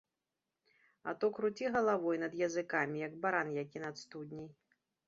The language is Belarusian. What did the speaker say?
А то круці галавой над языкамі, як баран які над студняй.